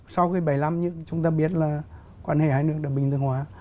sau bảy mươi năm năm chúng ta biết là quan hệ hai nước đã bình thường hóa